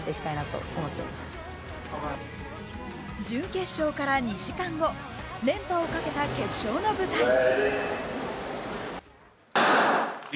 準決勝から２時間後連覇をかけた決勝の舞台。